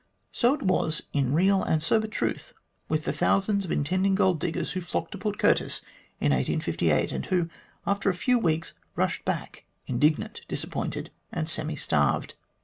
So it was in real and sober truth with the thousands of intend ing gold diggers who flocked to Port Curtis in 1858, and who, after a few weeks, rushed back indignant, disappointed, and semi starved.